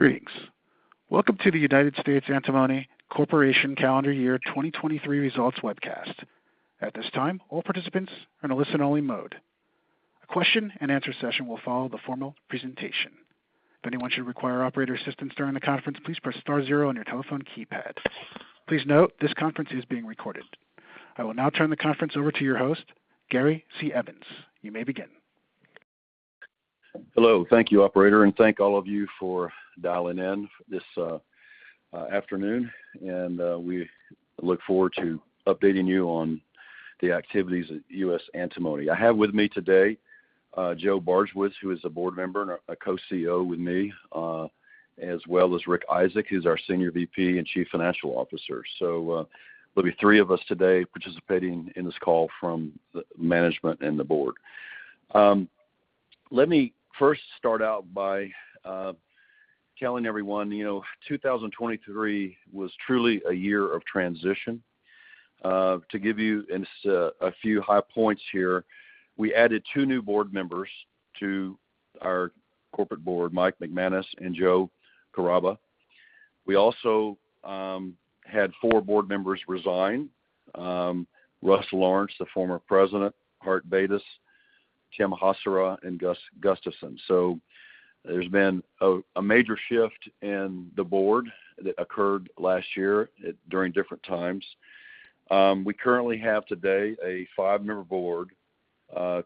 Greetings. Welcome to the United States Antimony Corporation calendar year 2023 results webcast. At this time, all participants are in a listen-only mode. A question-and-answer session will follow the formal presentation. If anyone should require operator assistance during the conference, please press star zero on your telephone keypad. Please note, this conference is being recorded. I will now turn the conference over to your host, Gary C. Evans. You may begin. Hello. Thank you, operator, and thank all of you for dialing in this afternoon. We look forward to updating you on the activities at US Antimony. I have with me today, Joe Bardswich, who is a board member and a Co-CEO with me, as well as Rick Isaak, who's our Senior VP and Chief Financial Officer. There'll be three of us today participating in this call from the management and the board. Let me first start out by telling everyone, you know, 2023 was truly a year of transition. To give you just a few high points here, we added two new board members to our corporate board, Mike McManus and Joe Carrabba. We also had four board members resign, Russ Lawrence, the former president, Hart Baitis, Tim Hasara, and Gus Gustavsen. So there's been a major shift in the board that occurred last year at different times. We currently have today a five-member board,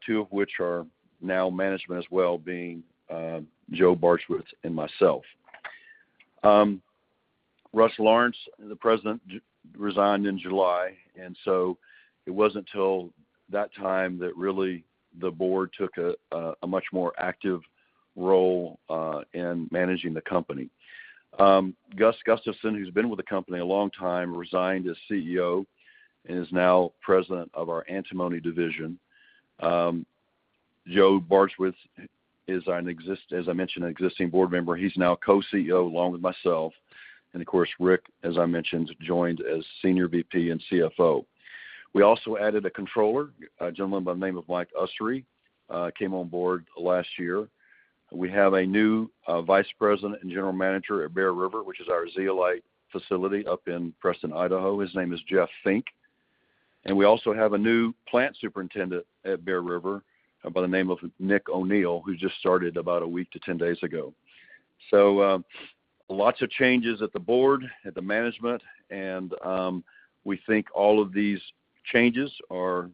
two of which are now management as well, being Joe Bardswich and myself. Russ Lawrence, the president, resigned in July, and so it wasn't till that time that really the board took a much more active role in managing the company. Gus Gustavsen, who's been with the company a long time, resigned as CEO and is now President of our antimony division. Joe Bardswich is, as I mentioned, an existing board member. He's now Co-CEO along with myself. And of course, Rick Isaak, as I mentioned, joined as Senior VP and CFO. We also added a controller, a gentleman by the name of Mike Ussery, who came on board last year. We have a new Vice President and General Manager at Bear River, which is our zeolite facility up in Preston, Idaho. His name is Jeff Fink. And we also have a new plant superintendent at Bear River, by the name of Nick O'Neill, who just started about a week to 10 days ago. So, lots of changes at the board, at the management, and we think all of these changes are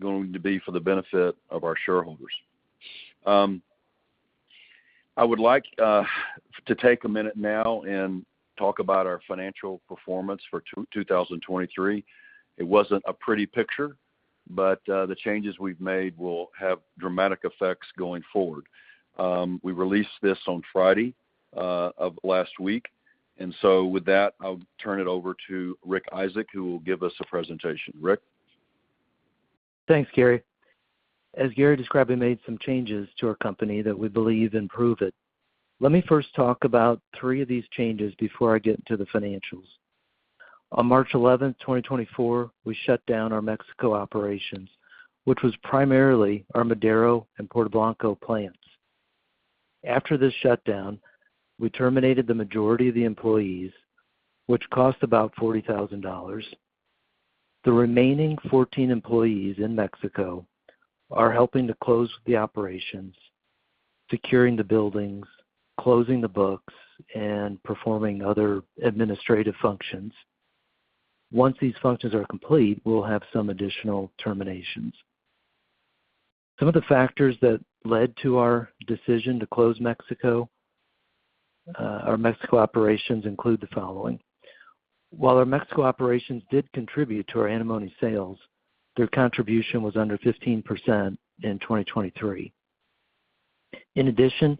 going to be for the benefit of our shareholders. I would like to take a minute now and talk about our financial performance for 2023. It wasn't a pretty picture, but the changes we've made will have dramatic effects going forward. We released this on Friday of last week. And so with that, I'll turn it over to Rick Isaak, who will give us a presentation. Rick? Thanks, Gary. As Gary described, we made some changes to our company that we believe improve it. Let me first talk about three of these changes before I get into the financials. On March 11th, 2024, we shut down our Mexico operations, which was primarily our Madero and Puerto Blanco plants. After this shutdown, we terminated the majority of the employees, which cost about $40,000. The remaining 14 employees in Mexico are helping to close the operations, securing the buildings, closing the books, and performing other administrative functions. Once these functions are complete, we'll have some additional terminations. Some of the factors that led to our decision to close Mexico, our Mexico operations include the following. While our Mexico operations did contribute to our antimony sales, their contribution was under 15% in 2023. In addition,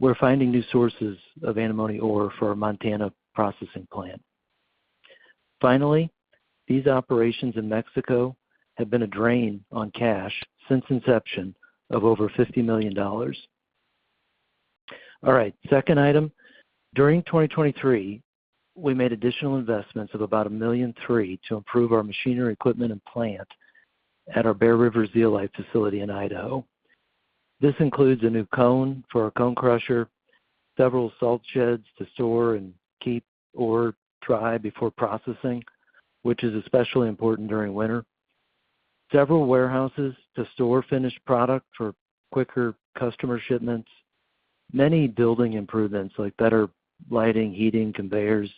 we're finding new sources of antimony ore for our Montana processing plant. Finally, these operations in Mexico have been a drain on cash since inception of over $50 million. All right. Second item, during 2023, we made additional investments of about $1.3 million to improve our machinery, equipment, and plant at our Bear River Zeolite facility in Idaho. This includes a new cone for our cone crusher, several salt sheds to store and keep ore dry before processing, which is especially important during winter, several warehouses to store finished product for quicker customer shipments, many building improvements like better lighting, heating, conveyors,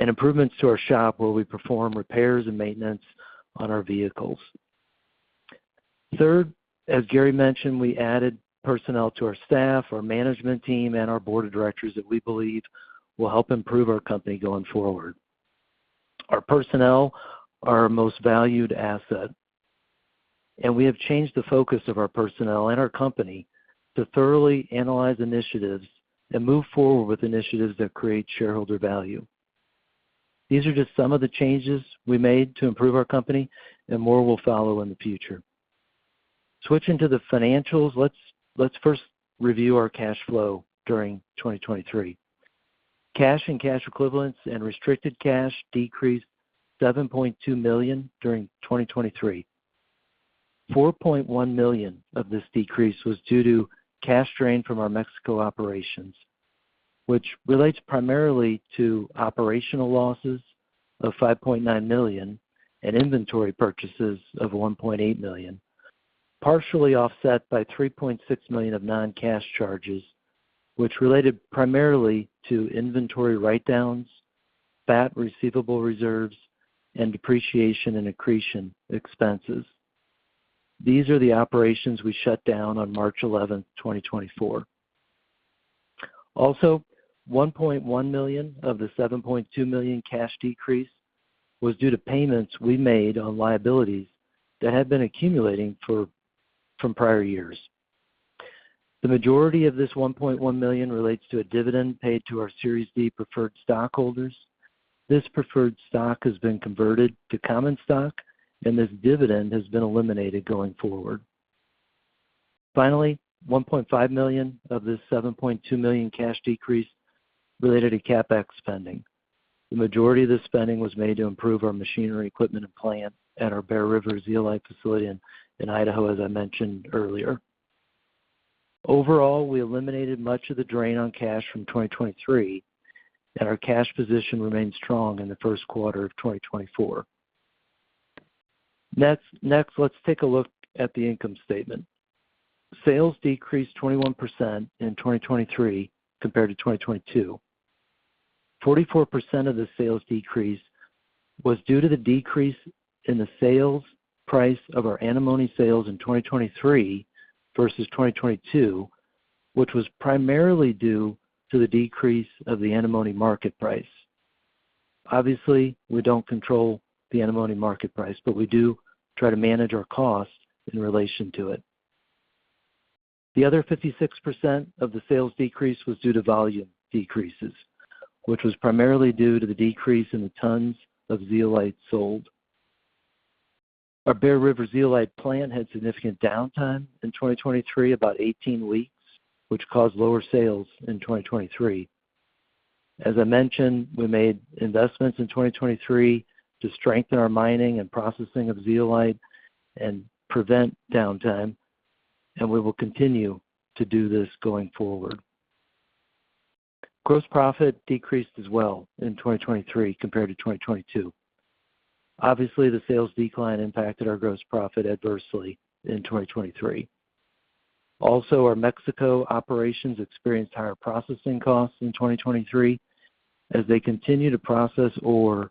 and improvements to our shop where we perform repairs and maintenance on our vehicles. Third, as Gary mentioned, we added personnel to our staff, our management team, and our board of directors that we believe will help improve our company going forward. Our personnel are our most valued asset, and we have changed the focus of our personnel and our company to thoroughly analyze initiatives and move forward with initiatives that create shareholder value. These are just some of the changes we made to improve our company, and more will follow in the future. Switching to the financials, let's first review our cash flow during 2023. Cash and cash equivalents and restricted cash decreased $7.2 million during 2023. $4.1 million of this decrease was due to cash drain from our Mexico operations, which relates primarily to operational losses of $5.9 million and inventory purchases of $1.8 million, partially offset by $3.6 million of non-cash charges, which related primarily to inventory write-downs, VAT receivable reserves, and depreciation and accretion expenses. These are the operations we shut down on March 11th, 2024. Also, $1.1 million of the $7.2 million cash decrease was due to payments we made on liabilities that had been accumulating from prior years. The majority of this $1.1 million relates to a dividend paid to our Series D preferred stockholders. This preferred stock has been converted to common stock, and this dividend has been eliminated going forward. Finally, $1.5 million of this $7.2 million cash decrease related to CapEx spending. The majority of this spending was made to improve our machinery, equipment, and plant at our Bear River Zeolite facility in Idaho, as I mentioned earlier. Overall, we eliminated much of the drain on cash from 2023, and our cash position remained strong in the first quarter of 2024. Next, let's take a look at the income statement. Sales decreased 21% in 2023 compared to 2022. 44% of the sales decrease was due to the decrease in the sales price of our antimony sales in 2023 versus 2022, which was primarily due to the decrease of the antimony market price. Obviously, we don't control the antimony market price, but we do try to manage our costs in relation to it. The other 56% of the sales decrease was due to volume decreases, which was primarily due to the decrease in the tons of zeolite sold. Our Bear River zeolite plant had significant downtime in 2023, about 18 weeks, which caused lower sales in 2023. As I mentioned, we made investments in 2023 to strengthen our mining and processing of zeolite and prevent downtime, and we will continue to do this going forward. Gross profit decreased as well in 2023 compared to 2022. Obviously, the sales decline impacted our gross profit adversely in 2023. Also, our Mexico operations experienced higher processing costs in 2023 as they continue to process ore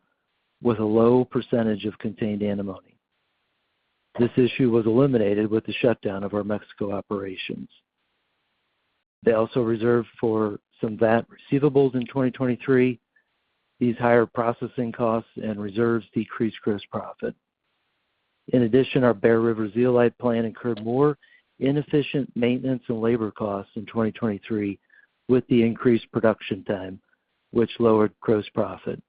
with a low percentage of contained antimony. This issue was eliminated with the shutdown of our Mexico operations. They also reserved for some VAT receivables in 2023. These higher processing costs and reserves decreased gross profit. In addition, our Bear River Zeolite plant incurred more inefficient maintenance and labor costs in 2023 with the increased production time, which lowered gross profit.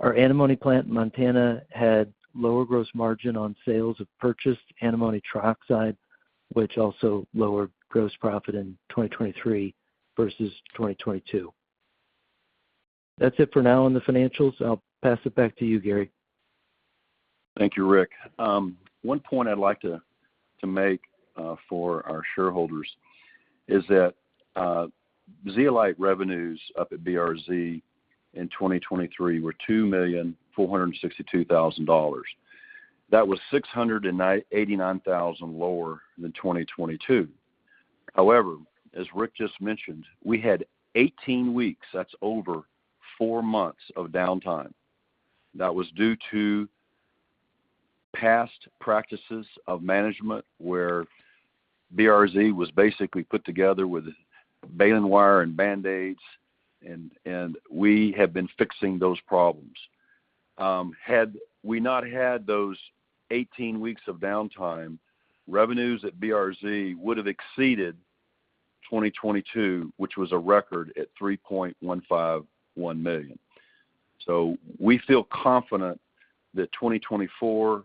Our antimony plant in Montana had lower gross margin on sales of purchased antimony trioxide, which also lowered gross profit in 2023 versus 2022. That's it for now on the financials. I'll pass it back to you, Gary. Thank you, Rick. One point I'd like to make, for our shareholders is that, zeolite revenues up at BRZ in 2023 were $2,462,000. That was $689,000 lower than 2022. However, as Rick just mentioned, we had 18 weeks. That's over four months of downtime. That was due to past practices of management where BRZ was basically put together with baling wire and band-aids, and we had been fixing those problems. Had we not had those 18 weeks of downtime, revenues at BRZ would have exceeded 2022, which was a record at $3.151 million. So we feel confident that 2024,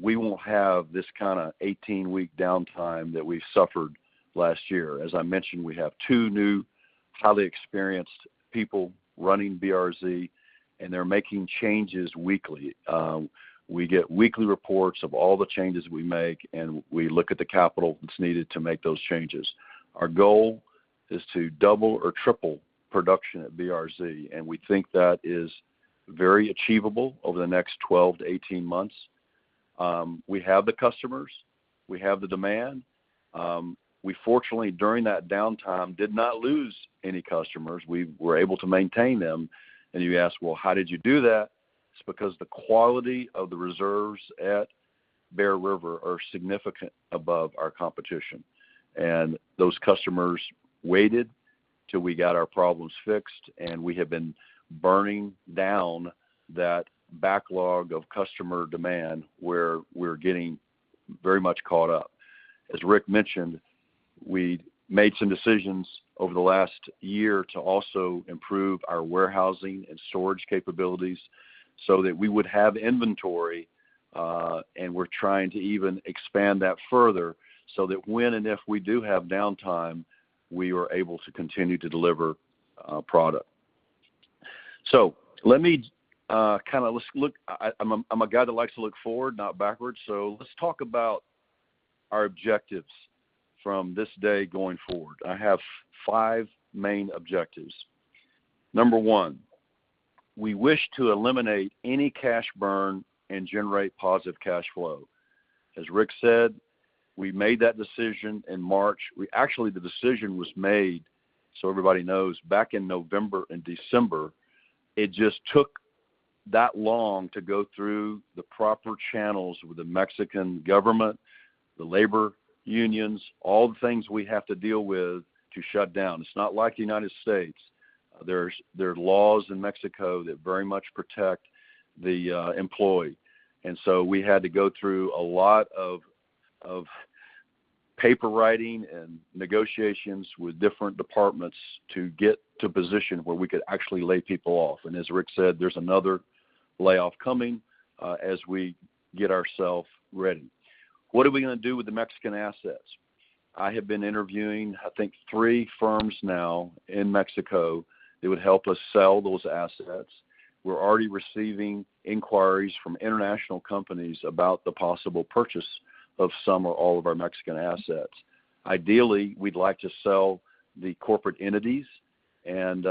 we won't have this kind of 18-week downtime that we suffered last year. As I mentioned, we have two new, highly experienced people running BRZ, and they're making changes weekly. We get weekly reports of all the changes we make, and we look at the capital that's needed to make those changes. Our goal is to double or triple production at BRZ, and we think that is very achievable over the next 12-18 months. We have the customers. We have the demand. We fortunately, during that downtime, did not lose any customers. We were able to maintain them. And you ask, "Well, how did you do that?" It's because the quality of the reserves at Bear River are significant above our competition. And those customers waited till we got our problems fixed, and we have been burning down that backlog of customer demand where we're getting very much caught up. As Rick mentioned, we made some decisions over the last year to also improve our warehousing and storage capabilities so that we would have inventory, and we're trying to even expand that further so that when and if we do have downtime, we are able to continue to deliver product. So let me kind of look. I'm a guy that likes to look forward, not backwards. So let's talk about our objectives from this day going forward. I have five main objectives. Number one, we wish to eliminate any cash burn and generate positive cash flow. As Rick said, we made that decision in March. We actually, the decision was made, so everybody knows, back in November and December. It just took that long to go through the proper channels with the Mexican government, the labor unions, all the things we have to deal with to shut down. It's not like the United States. There are laws in Mexico that very much protect the employee. So we had to go through a lot of paperwork and negotiations with different departments to get to a position where we could actually lay people off. As Rick said, there's another layoff coming, as we get ourselves ready. What are we going to do with the Mexican assets? I have been interviewing, I think, three firms now in Mexico that would help us sell those assets. We're already receiving inquiries from international companies about the possible purchase of some or all of our Mexican assets. Ideally, we'd like to sell the corporate entities, and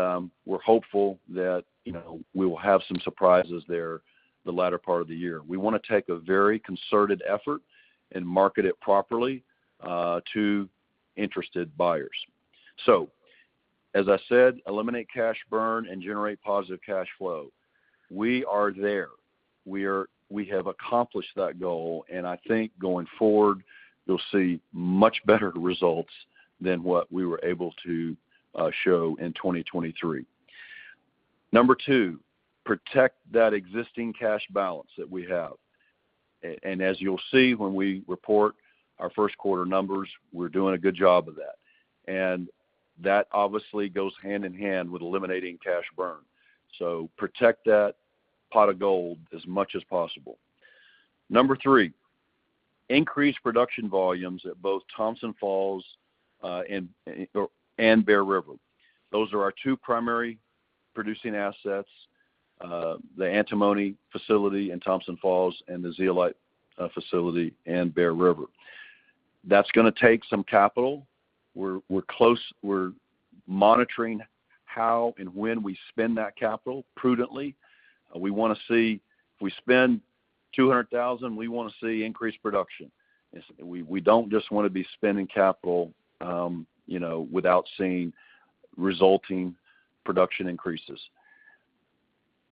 we're hopeful that, you know, we will have some surprises there the latter part of the year. We want to take a very concerted effort and market it properly, to interested buyers. So as I said, eliminate cash burn and generate positive cash flow. We are there. We have accomplished that goal, and I think going forward, you'll see much better results than what we were able to show in 2023. Number two, protect that existing cash balance that we have. And as you'll see when we report our first quarter numbers, we're doing a good job of that. And that obviously goes hand in hand with eliminating cash burn. So protect that pot of gold as much as possible. Number three, increase production volumes at both Thompson Falls and Bear River. Those are our two primary producing assets, the antimony facility in Thompson Falls and the zeolite facility in Bear River. That's going to take some capital. We're close. We're monitoring how and when we spend that capital prudently. We want to see if we spend $200,000, we want to see increased production. It's we, we don't just want to be spending capital, you know, without seeing resulting production increases.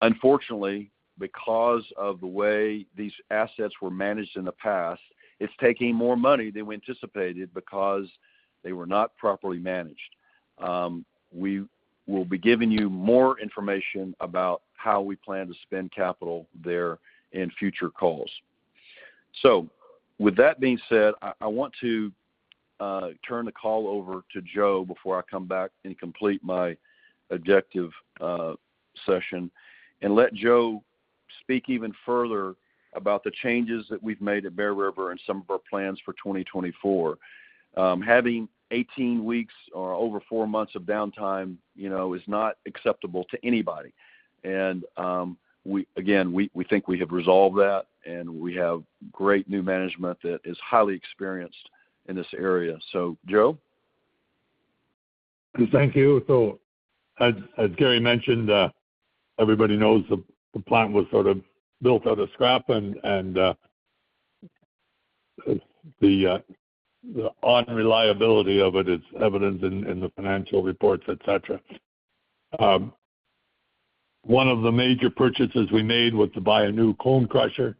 Unfortunately, because of the way these assets were managed in the past, it's taking more money than we anticipated because they were not properly managed. We will be giving you more information about how we plan to spend capital there in future calls. So with that being said, I, I want to turn the call over to Joe before I come back and complete my objective session and let Joe speak even further about the changes that we've made at Bear River and some of our plans for 2024. Having 18 weeks or over 4 months of downtime, you know, is not acceptable to anybody. We again think we have resolved that, and we have great new management that is highly experienced in this area. So, Joe? Thank you. So as Gary mentioned, everybody knows the plant was sort of built out of scrap and the unreliability of it is evident in the financial reports, etc. One of the major purchases we made was to buy a new cone crusher.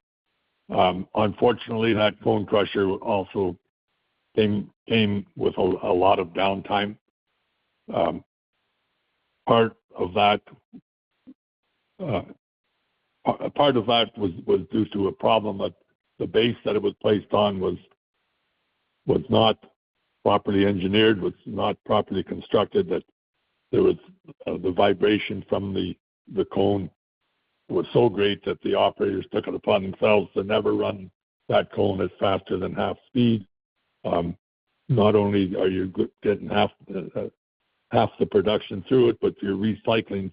Unfortunately, that cone crusher also came with a lot of downtime. Part of that was due to a problem that the base that it was placed on was not properly engineered, was not properly constructed, that the vibration from the cone was so great that the operators took it upon themselves to never run that cone at faster than half speed. Not only are you getting half the production through it, but you're recycling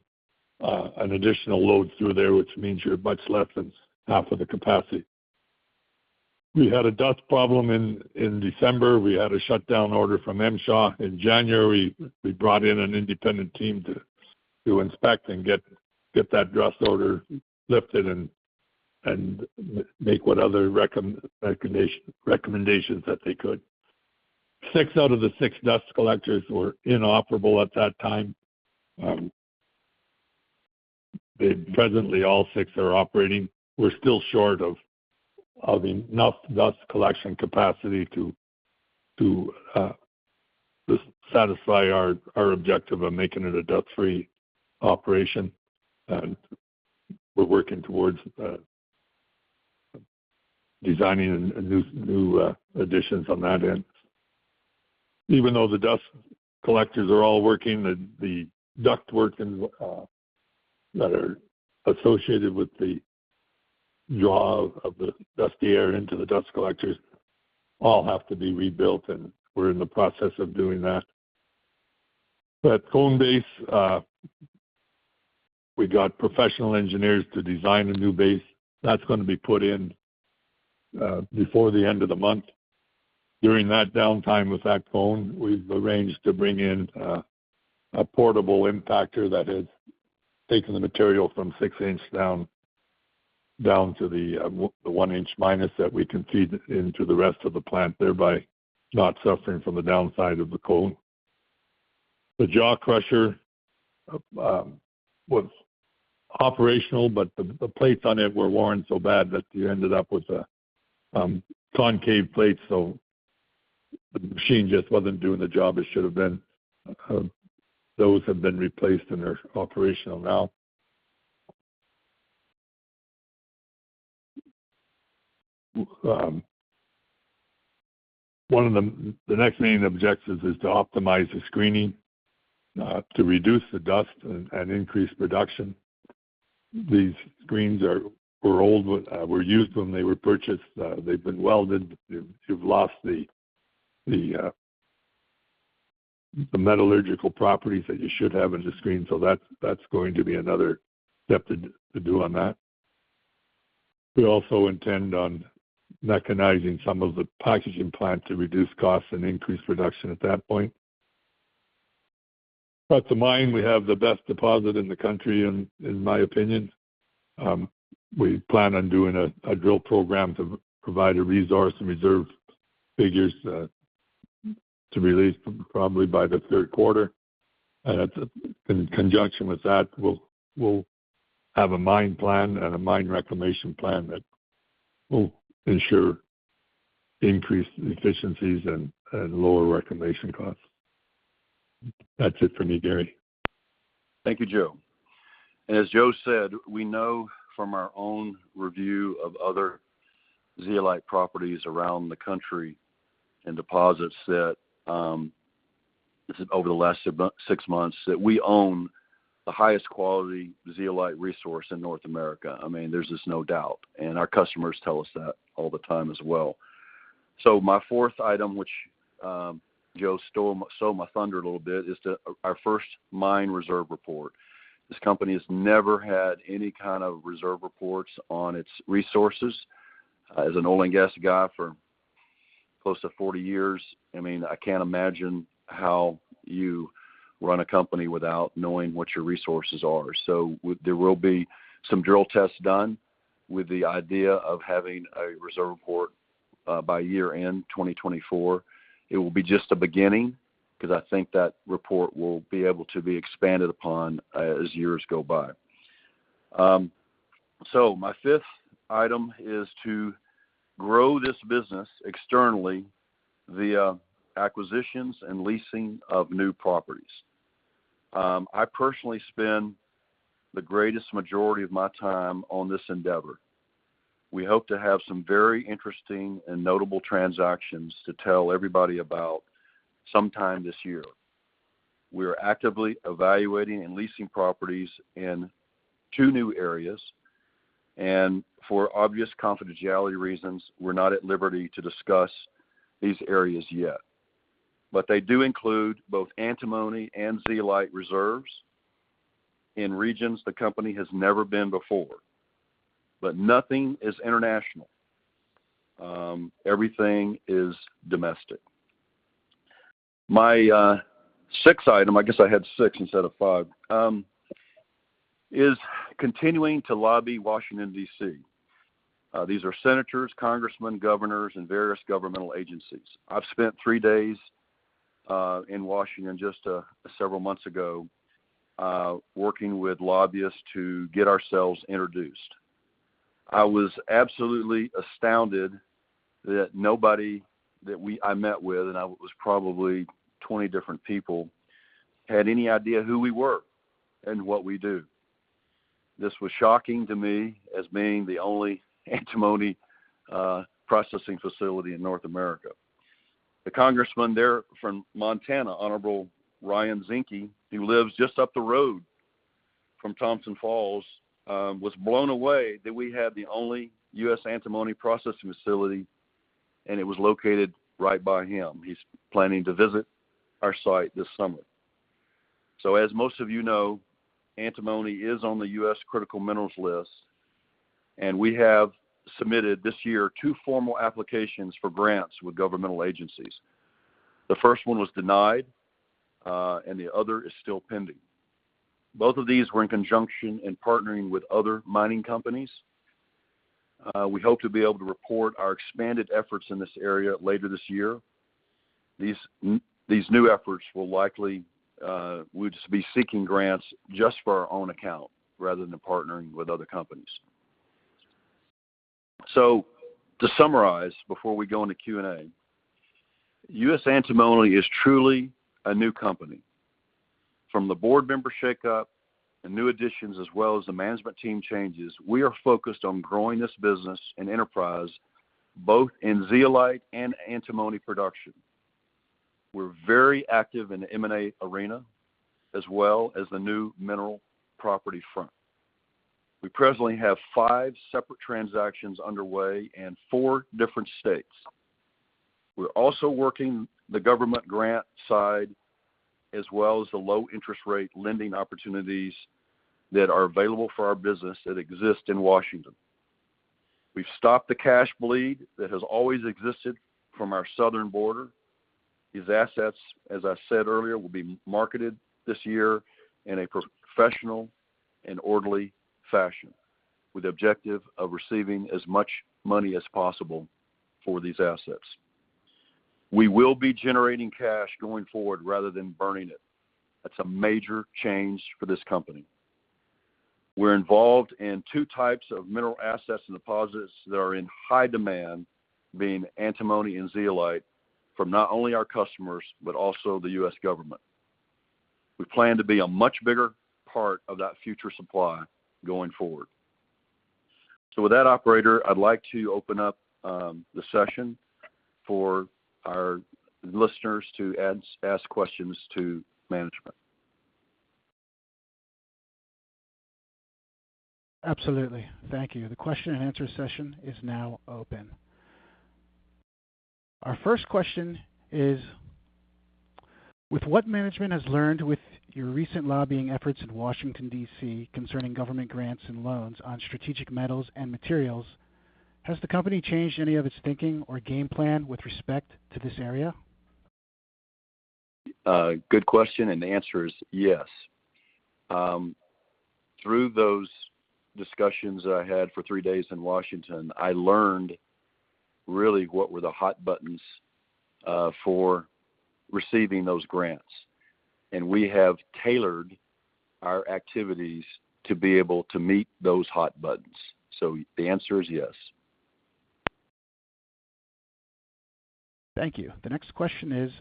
an additional load through there, which means you're much less than half of the capacity. We had a dust problem in December. We had a shutdown order from MSHA. In January, we brought in an independent team to inspect and get that dust order lifted and make what other recommendations that they could. Six out of the six dust collectors were inoperable at that time. They presently all six are operating. We're still short of enough dust collection capacity to satisfy our objective of making it a dust-free operation. And we're working towards designing a new additions on that end. Even though the dust collectors are all working, the ductwork and that are associated with the draw of the dusty air into the dust collectors all have to be rebuilt, and we're in the process of doing that. That cone base, we got professional engineers to design a new base. That's going to be put in before the end of the month. During that downtime with that cone, we've arranged to bring in a portable impactor that has taken the material from 6-inch down to the 1-inch minus that we can feed into the rest of the plant, thereby not suffering from the downside of the cone. The jaw crusher was operational, but the plates on it were worn so bad that you ended up with a concave plate, so the machine just wasn't doing the job it should have been. Those have been replaced and are operational now. One of the next main objectives is to optimize the screening to reduce the dust and increase production. These screens are old. They were used when they were purchased. They've been welded. You've lost the metallurgical properties that you should have in the screen. So that's going to be another step to do on that. We also intend on mechanizing some of the packaging plant to reduce costs and increase production at that point. From the mine, we have the best deposit in the country, in my opinion. We plan on doing a drill program to provide a resource and reserve figures, to release probably by the third quarter. And in conjunction with that, we'll have a mine plan and a mine reclamation plan that will ensure increased efficiencies and lower reclamation costs. That's it for me, Gary. Thank you, Joe. As Joe said, we know from our own review of other zeolite properties around the country and deposits that, over the last six months, that we own the highest quality zeolite resource in North America. I mean, there's just no doubt. Our customers tell us that all the time as well. So my fourth item, which Joe stole my thunder a little bit, is to our first mine reserve report. This company has never had any kind of reserve reports on its resources. As an oil and gas guy for close to 40 years, I mean, I can't imagine how you run a company without knowing what your resources are. So there will be some drill tests done with the idea of having a reserve report by year-end 2024. It will be just a beginning because I think that report will be able to be expanded upon, as years go by. So my fifth item is to grow this business externally, the acquisitions and leasing of new properties. I personally spend the greatest majority of my time on this endeavor. We hope to have some very interesting and notable transactions to tell everybody about sometime this year. We are actively evaluating and leasing properties in two new areas. For obvious confidentiality reasons, we're not at liberty to discuss these areas yet. They do include both antimony and zeolite reserves in regions the company has never been before. Nothing is international. Everything is domestic. My sixth item I guess I had six instead of five, is continuing to lobby Washington, D.C. These are senators, congressmen, governors, and various governmental agencies. I've spent three days in Washington just several months ago, working with lobbyists to get ourselves introduced. I was absolutely astounded that nobody that we met with, and I was probably 20 different people, had any idea who we were and what we do. This was shocking to me as being the only antimony processing facility in North America. The congressman there from Montana, Honorable Ryan Zinke, who lives just up the road from Thompson Falls, was blown away that we had the only US Antimony processing facility, and it was located right by him. He's planning to visit our site this summer. So as most of you know, antimony is on the U.S. Critical Minerals list, and we have submitted this year two formal applications for grants with governmental agencies. The first one was denied, and the other is still pending. Both of these were in conjunction and partnering with other mining companies. We hope to be able to report our expanded efforts in this area later this year. These new efforts will likely just be seeking grants just for our own account rather than partnering with other companies. So to summarize before we go into Q&A, US Antimony is truly a new company. From the board member shakeup and new additions as well as the management team changes, we are focused on growing this business and enterprise both in zeolite and antimony production. We're very active in the M&A arena as well as the new mineral property front. We presently have five separate transactions underway in four different states. We're also working the government grant side as well as the low-interest rate lending opportunities that are available for our business that exist in Washington. We've stopped the cash bleed that has always existed from our southern border. These assets, as I said earlier, will be marketed this year in a professional and orderly fashion with the objective of receiving as much money as possible for these assets. We will be generating cash going forward rather than burning it. That's a major change for this company. We're involved in two types of mineral assets and deposits that are in high demand, being antimony and zeolite, from not only our customers but also the U.S. government. We plan to be a much bigger part of that future supply going forward. So with that, operator, I'd like to open up the session for our listeners to ask questions to management. Absolutely. Thank you. The question and answer session is now open. Our first question is, with what management has learned with your recent lobbying efforts in Washington, D.C. concerning government grants and loans on strategic metals and materials, has the company changed any of its thinking or game plan with respect to this area? Good question. And the answer is yes. Through those discussions that I had for three days in Washington, I learned really what were the hot buttons for receiving those grants. And we have tailored our activities to be able to meet those hot buttons. So the answer is yes. Thank you. The next question is,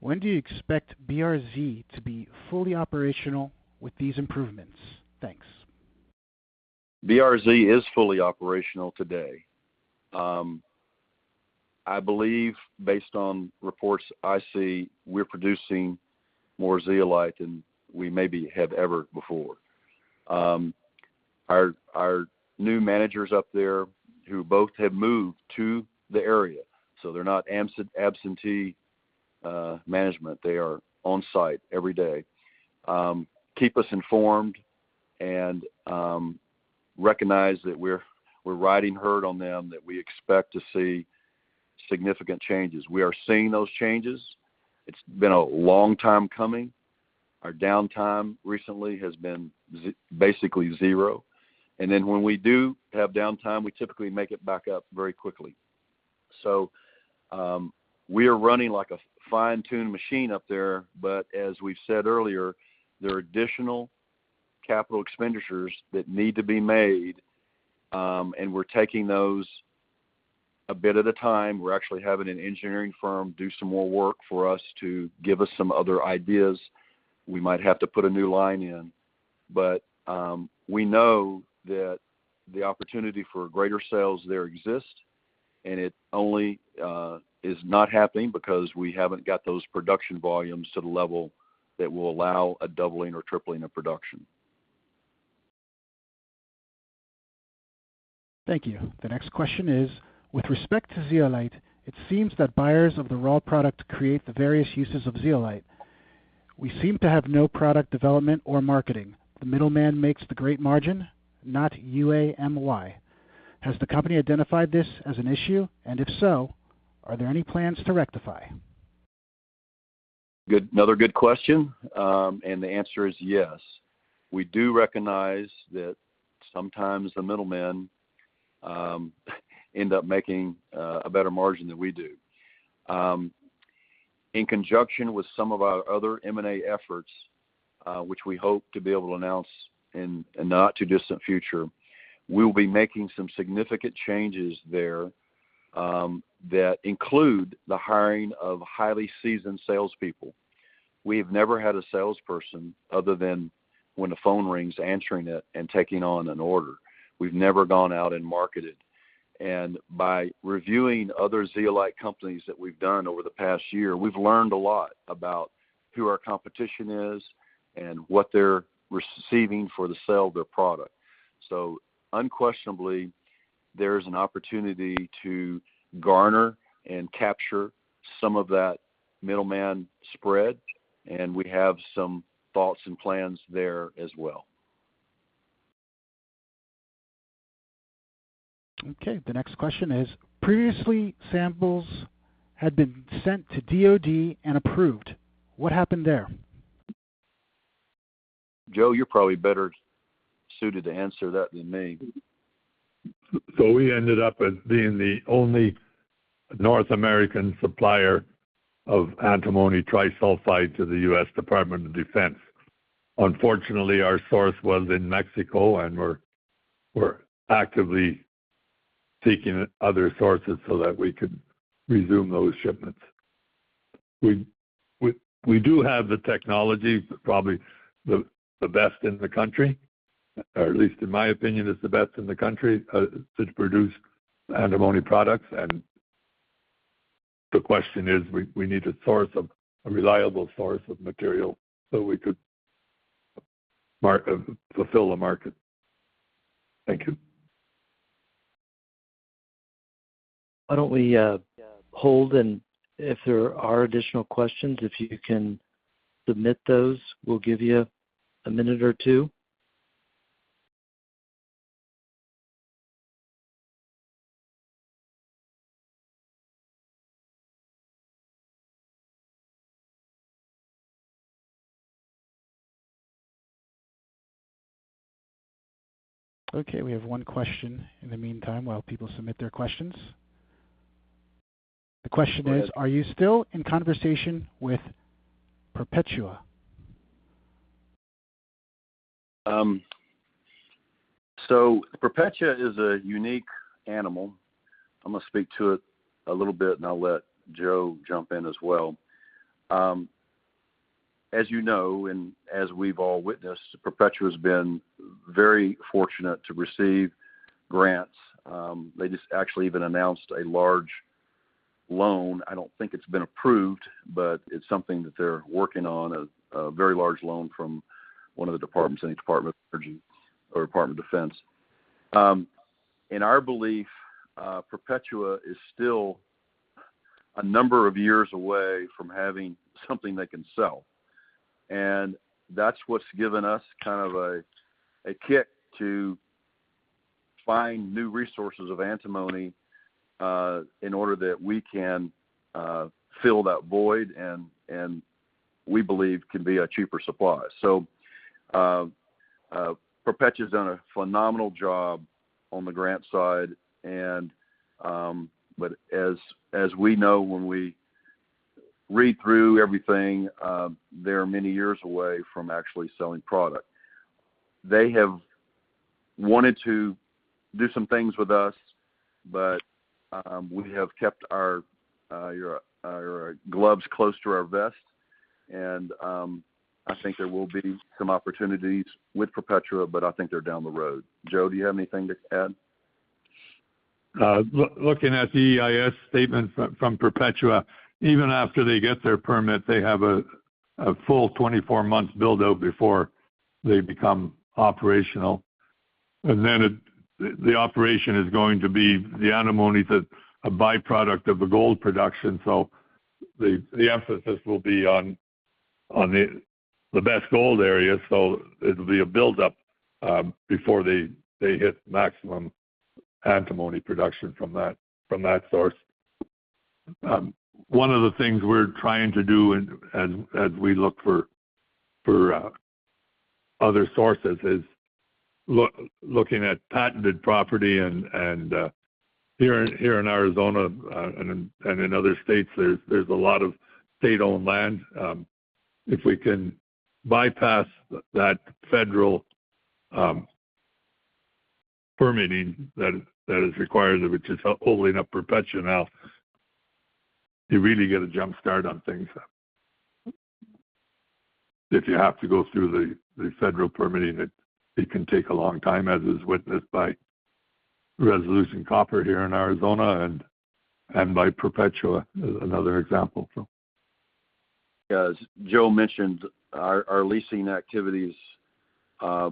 when do you expect BRZ to be fully operational with these improvements? Thanks. BRZ is fully operational today. I believe, based on reports I see, we're producing more zeolite than we maybe have ever before. Our, our new managers up there who both have moved to the area, so they're not absentee management. They are on site every day, keep us informed, and recognize that we're, we're riding herd on them, that we expect to see significant changes. We are seeing those changes. It's been a long time coming. Our downtime recently has been basically zero. And then when we do have downtime, we typically make it back up very quickly. So, we are running like a fine-tuned machine up there. But as we've said earlier, there are additional capital expenditures that need to be made, and we're taking those a bit at a time. We're actually having an engineering firm do some more work for us to give us some other ideas. We might have to put a new line in. But, we know that the opportunity for greater sales there exists, and it only, is not happening because we haven't got those production volumes to the level that will allow a doubling or tripling of production. Thank you. The next question is, with respect to zeolite, it seems that buyers of the raw product create the various uses of zeolite. We seem to have no product development or marketing. The middleman makes the great margin, not UAMY. Has the company identified this as an issue? And if so, are there any plans to rectify? Good, another good question. The answer is yes. We do recognize that sometimes the middlemen end up making a better margin than we do. In conjunction with some of our other M&A efforts, which we hope to be able to announce in a not-too-distant future, we will be making some significant changes there that include the hiring of highly seasoned salespeople. We have never had a salesperson other than when the phone rings, answering it and taking on an order. We've never gone out and marketed. By reviewing other zeolite companies that we've done over the past year, we've learned a lot about who our competition is and what they're receiving for the sale of their product. Unquestionably, there is an opportunity to garner and capture some of that middleman spread. We have some thoughts and plans there as well. Okay. The next question is, previously, samples had been sent to DoD and approved. What happened there? Joe, you're probably better suited to answer that than me. So we ended up as being the only North American supplier of antimony trisulfide to the U.S. Department of Defense. Unfortunately, our source was in Mexico, and we're actively seeking other sources so that we could resume those shipments. We do have the technology, probably the best in the country, or at least in my opinion, it's the best in the country, to produce antimony products. The question is, we need a reliable source of material so we could better fulfill the market. Thank you. Why don't we hold? And if there are additional questions, if you can submit those, we'll give you a minute or two. Okay. We have one question in the meantime while people submit their questions. The question is, are you still in conversation with Perpetua? So Perpetua is a unique animal. I'm going to speak to it a little bit, and I'll let Joe jump in as well. As you know and as we've all witnessed, Perpetua has been very fortunate to receive grants. They just actually even announced a large loan. I don't think it's been approved, but it's something that they're working on, a very large loan from one of the departments, the Department of Energy or Department of Defense. In our belief, Perpetua is still a number of years away from having something they can sell. And that's what's given us kind of a kick to find new resources of antimony, in order that we can fill that void and we believe can be a cheaper supply. So, Perpetua's done a phenomenal job on the grant side. But as we know, when we read through everything, they're many years away from actually selling product. They have wanted to do some things with us, but we have kept our gloves close to our vest. I think there will be some opportunities with Perpetua, but I think they're down the road. Joe, do you have anything to add? Looking at the EIS statement from Perpetua, even after they get their permit, they have a full 24-month build-up before they become operational. Then the operation is going to be the antimony's a byproduct of the gold production. So the emphasis will be on the best gold area. So it'll be a build-up before they hit maximum antimony production from that source. One of the things we're trying to do as we look for other sources is looking at patented property and here in Arizona, and in other states, there's a lot of state-owned land. If we can bypass that federal permitting that is required, which is holding up Perpetua now, you really get a jumpstart on things. If you have to go through the federal permitting, it can take a long time, as is witnessed by Resolution Copper here in Arizona and by Perpetua, another example from. Yeah. As Joe mentioned, our leasing activities are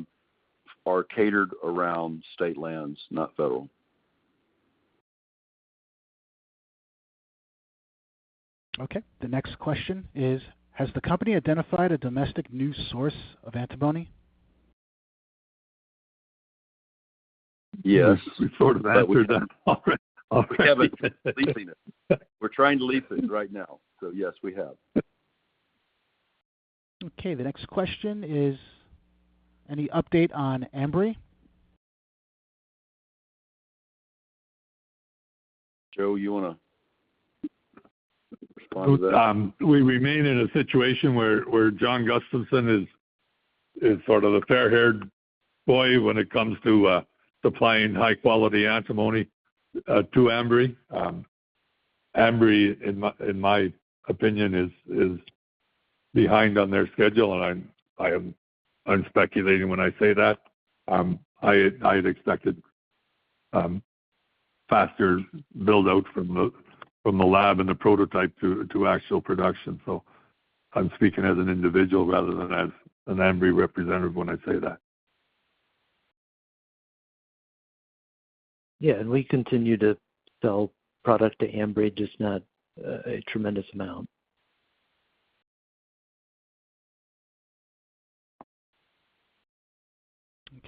catered around state lands, not federal. Okay. The next question is, has the company identified a domestic new source of antimony? Yes. Yes. We've sort of had that. We've done all right. All right. We haven't leased it. We're trying to lease it right now. So yes, we have. Okay. The next question is, any update on Ambri? Joe, you want to respond to that? We remain in a situation where John Gustavsen is sort of the fair-haired boy when it comes to supplying high-quality antimony to Ambri. Ambri, in my opinion, is behind on their schedule. And I'm speculating when I say that. I had expected faster build-out from the lab and the prototype to actual production. So I'm speaking as an individual rather than as an Ambri representative when I say that. Yeah. And we continue to sell product to Ambri, just not a tremendous amount.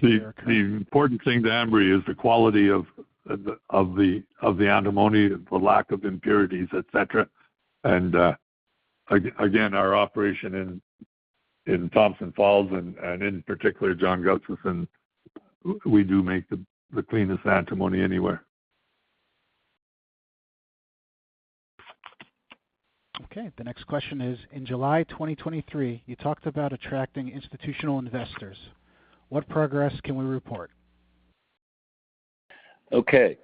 The important thing to Ambri is the quality of the antimony, the lack of impurities, etc. And, again, our operation in Thompson Falls and in particular, John Gustavsen, we do make the cleanest antimony anywhere. Okay. The next question is, in July 2023, you talked about attracting institutional investors. What progress can we report? Okay.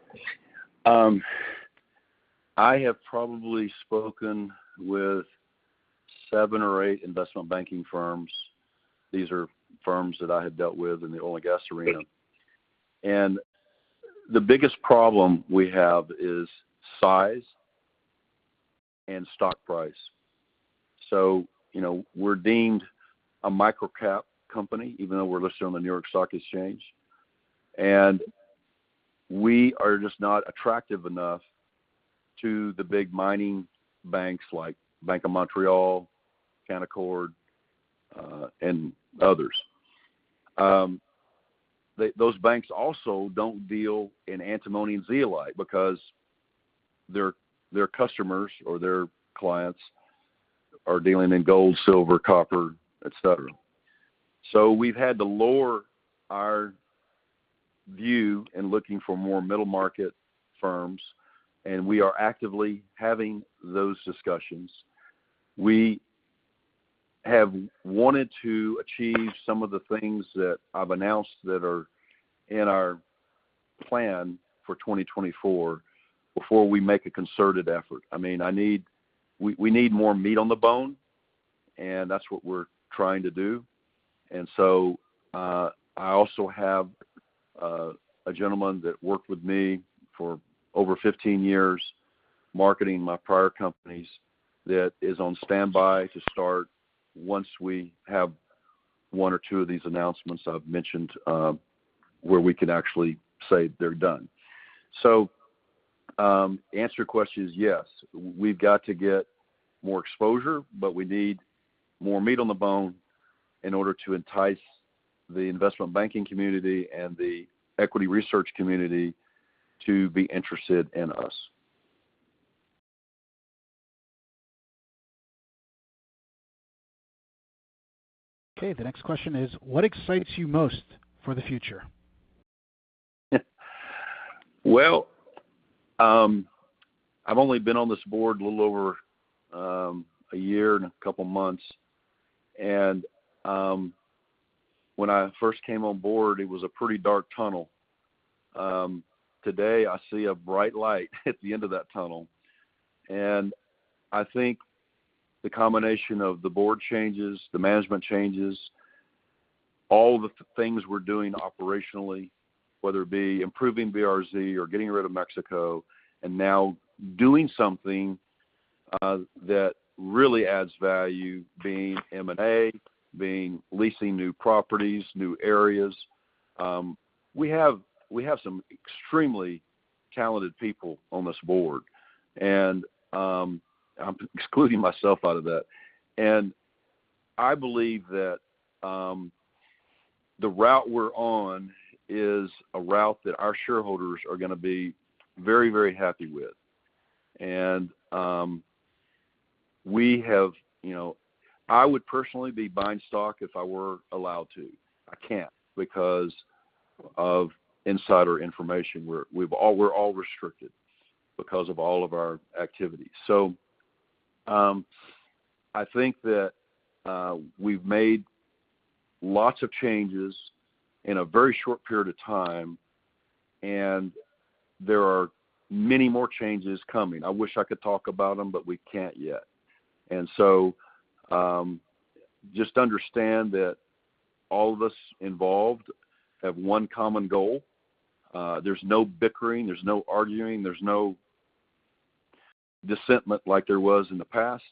I have probably spoken with seven or eight investment banking firms. These are firms that I have dealt with in the oil and gas arena. The biggest problem we have is size and stock price. So, you know, we're deemed a microcap company, even though we're listed on the New York Stock Exchange. We are just not attractive enough to the big mining banks like Bank of Montreal, Canaccord, and others. Those banks also don't deal in antimony and zeolite because their customers or their clients are dealing in gold, silver, copper, etc. So we've had to lower our view in looking for more middle-market firms. We are actively having those discussions. We have wanted to achieve some of the things that I've announced that are in our plan for 2024 before we make a concerted effort. I mean, we need more meat on the bone, and that's what we're trying to do. And so, I also have a gentleman that worked with me for over 15 years marketing my prior companies that is on standby to start once we have one or two of these announcements I've mentioned, where we can actually say they're done. So, answer your question is yes. We've got to get more exposure, but we need more meat on the bone in order to entice the investment banking community and the equity research community to be interested in us. Okay. The next question is, what excites you most for the future? Well, I've only been on this board a little over a year and a couple months. When I first came on board, it was a pretty dark tunnel. Today, I see a bright light at the end of that tunnel. I think the combination of the board changes, the management changes, all the things we're doing operationally, whether it be improving BRZ or getting rid of Mexico and now doing something that really adds value, being M&A, being leasing new properties, new areas. We have some extremely talented people on this board. I'm excluding myself out of that. I believe that the route we're on is a route that our shareholders are going to be very, very happy with. We have, you know, I would personally be buying stock if I were allowed to. I can't because of insider information. We're all restricted because of all of our activities. I think that we've made lots of changes in a very short period of time. There are many more changes coming. I wish I could talk about them, but we can't yet. Just understand that all of us involved have one common goal. There's no bickering. There's no arguing. There's no dissent like there was in the past.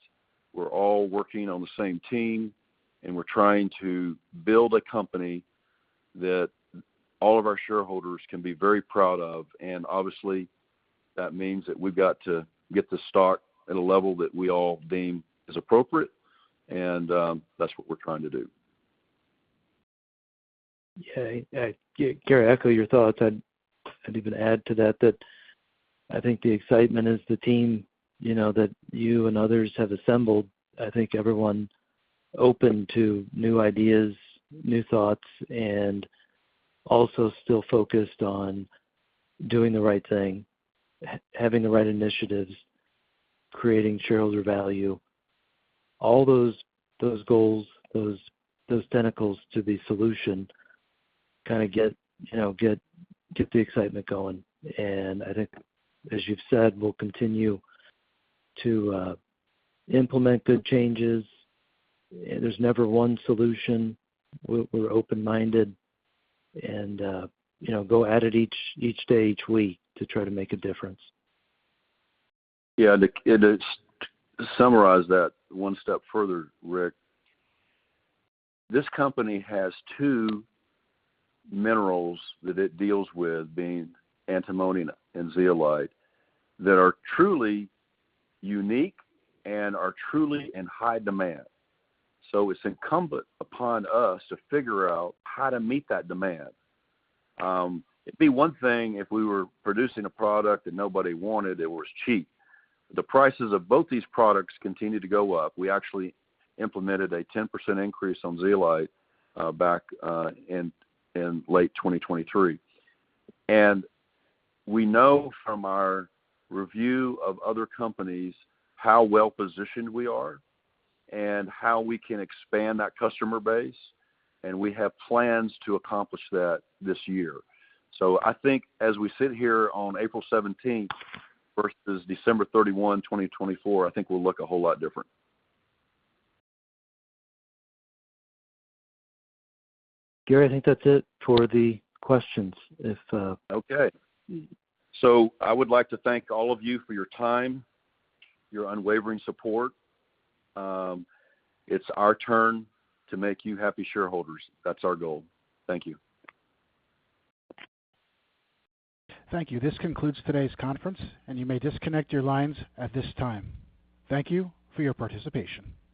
We're all working on the same team, and we're trying to build a company that all of our shareholders can be very proud of. Obviously, that means that we've got to get the stock at a level that we all deem is appropriate. That's what we're trying to do. Yeah. I care to echo your thoughts. I'd even add to that that I think the excitement is the team, you know, that you and others have assembled. I think everyone open to new ideas, new thoughts, and also still focused on doing the right thing, having the right initiatives, creating shareholder value. All those goals, those tentacles to the solution kind of get, you know, the excitement going. And I think, as you've said, we'll continue to implement good changes. There's never one solution. We're open-minded and, you know, go at it each day, each week to try to make a difference. Yeah. And to summarize that one step further, Rick, this company has two minerals that it deals with, being antimony and zeolite, that are truly unique and are truly in high demand. So it's incumbent upon us to figure out how to meet that demand. It'd be one thing if we were producing a product that nobody wanted that was cheap. The prices of both these products continue to go up. We actually implemented a 10% increase on zeolite, back in late 2023. And we know from our review of other companies how well-positioned we are and how we can expand that customer base. And we have plans to accomplish that this year. So I think as we sit here on April 17th versus December 31, 2024, I think we'll look a whole lot different. Gary, I think that's it for the questions, if, Okay. So I would like to thank all of you for your time, your unwavering support. It's our turn to make you happy shareholders. That's our goal. Thank you. Thank you. This concludes today's conference, and you may disconnect your lines at this time. Thank you for your participation.